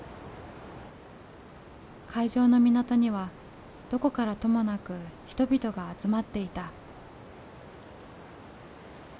会場の港にはどこからともなく人々が集まっていた。